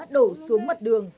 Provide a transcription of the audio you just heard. đổ xuống mặt đường